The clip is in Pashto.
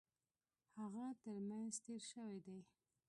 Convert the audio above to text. هغه ترمېنځ تېر شوی دی.